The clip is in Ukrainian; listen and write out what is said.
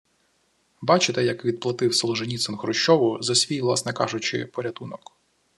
Бачите, як відплатив Солженіцин Хрущову за свій, власне кажучи, порятунок